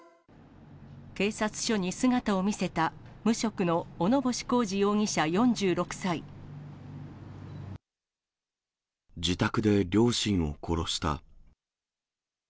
警察署に姿を見せた、自宅で両親を殺した。